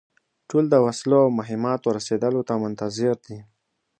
ټول د وسلو او مهماتو رسېدلو ته منتظر دي.